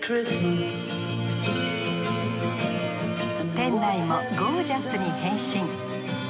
店内もゴージャスに変身。